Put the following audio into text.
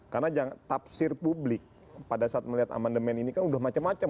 karena taksir publik pada saat melihat amendement ini kan sudah macam macam